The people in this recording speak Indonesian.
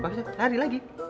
maksudnya lari lagi